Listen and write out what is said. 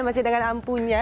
masih dengan ampunya